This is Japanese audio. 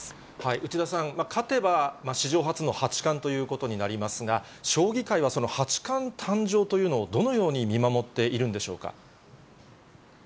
内田さん、勝てば史上初の八冠ということになりますが、将棋界はその八冠誕生というのをどのように見守っているんでしょうか。